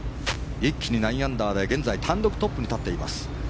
一気に９アンダーで現在単独トップに立っています。